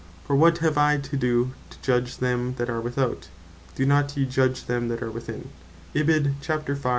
For what have I to do to judg them that are without? Do not ye judg them that are within?"